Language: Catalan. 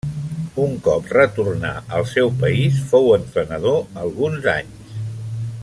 Un cop retornà al seu país fou entrenador alguns anys.